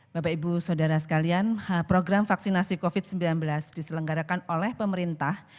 bapak ibu saudara sekalian program vaksinasi covid sembilan belas diselenggarakan oleh pemerintah